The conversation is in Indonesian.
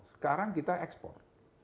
sekarang kita ekspor